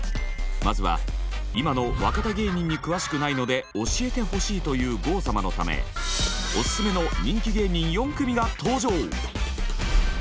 まずは今の若手芸人に詳しくないので教えてほしいという郷様のためオススメの人気芸人４組が登場。